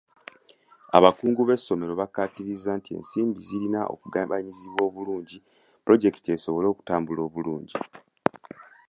Abakulu b'amasomero bakkaatiriza nti ensimbi zirina okugabanyizibwa obulungi pulojekiti zisobole okutambula obulingi.